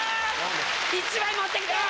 １枚持ってきて！